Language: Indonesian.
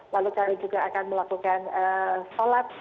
lalu kami juga akan melakukan sholat